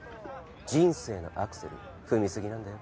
人生のアクセル踏み過ぎなんだよ